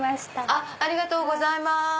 ありがとうございます。